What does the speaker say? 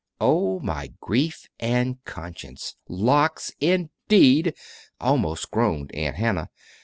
"Oh, my grief and conscience locks, indeed!" almost groaned Aunt Hannah.